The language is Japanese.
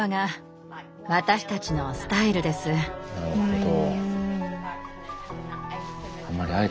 なるほど。